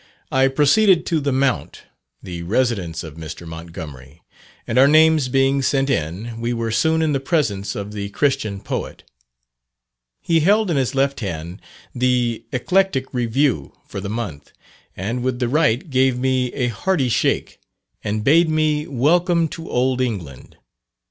I proceeded to The Mount, the residence of Mr. Montgomery; and our names being sent in, we were soon in the presence of the "Christian Poet." He held in his left hand the Eclectic Review for the month, and with the right gave me a hearty shake, and bade me "Welcome to old England."